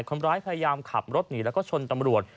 คนร้ายพยายามขับรถหนีแล้วก็ชนตำรวจ